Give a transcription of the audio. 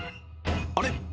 あれ？